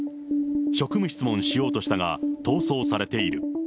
職務質問しようとしたが、逃走されている。